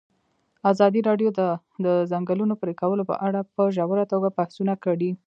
ازادي راډیو د د ځنګلونو پرېکول په اړه په ژوره توګه بحثونه کړي.